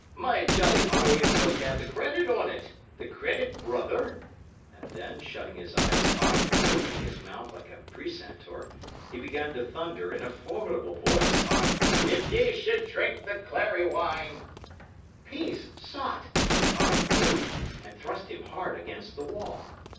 "My jolly boys must have the credit on't the credit, brother;" and then, shutting his eyes tight and opening his mouth like a precentor, he began to thunder, in a formidable voice: "If ye should drink the clary wine" "Peace, sot!" cried Dick, and thrust him hard against the wall.